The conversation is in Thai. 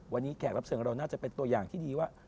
วันนี้แขกรับเชิญเราน่าจะเป็นตัวอย่างที่ดีว่า